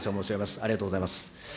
ありがとうございます。